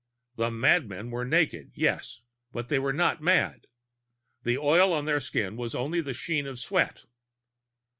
The madmen were naked, yes, but they were not mad. The oil on their skins was only the sheen of sweat.